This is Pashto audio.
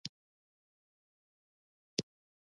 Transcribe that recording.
باد د انسان پوستکی ساړه کوي